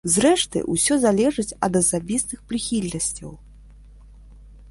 Зрэшты, усё залежыць ад асабістых прыхільнасцяў.